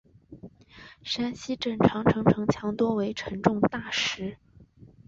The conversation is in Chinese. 山西镇长城城墙多为沉重大石。